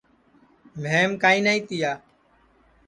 مھیم کائیں نائی تِیا